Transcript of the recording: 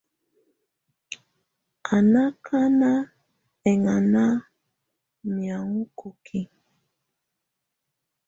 Á ná ákána ɛŋana ú miaŋɔ kokiǝ.